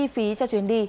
và chi phí cho chuyến đi